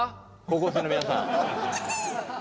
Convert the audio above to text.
高校生の皆さん。